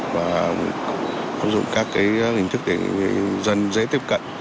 và áp dụng các hình thức để người dân dễ tiếp cận